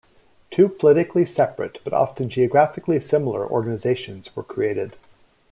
Two politically separate but often geographically similar organizations were created.